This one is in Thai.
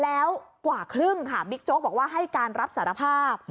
แล้วกว่าครึ่งค่ะบิ๊กโจ๊กบอกว่าให้การรับสารภาพ